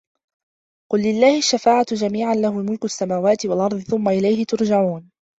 قُل لِلَّهِ الشَّفاعَةُ جَميعًا لَهُ مُلكُ السَّماواتِ وَالأَرضِ ثُمَّ إِلَيهِ تُرجَعونَ